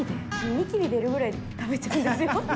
にきび出るぐらい食べちゃうんですよ。